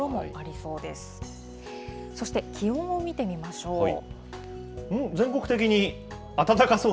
そして、気温を見てみましょう。